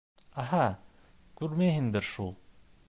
— Аһа, күрмәйһеңдер шул.